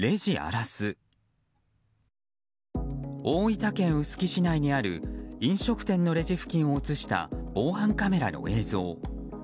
大分県臼杵市内にある飲食店のレジ付近を映した防犯カメラの映像。